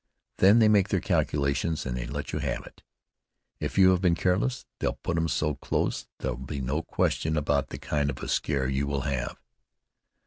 Then they make their calculations and they let you have it. If you have been careless, they'll put 'em so close, there'll be no question about the kind of a scare you will have."